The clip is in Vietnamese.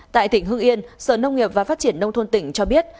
tại tỉnh hưng yên sở nông nghiệp và phát triển nông thôn tỉnh cho biết